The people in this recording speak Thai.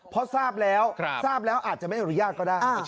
เพราะทราบแล้วทราบแล้วอาจจะไม่อนุญาตก็ได้